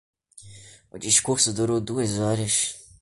O discurso durou duas horas